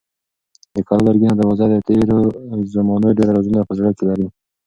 د کلا لرګینه دروازه د تېرو زمانو ډېر رازونه په زړه کې لري.